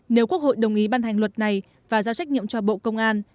nếu quốc hội đồng ý ban hành luật này và giao trách nhiệm cho bộ công an